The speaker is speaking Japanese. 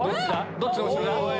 どっちの後ろだ？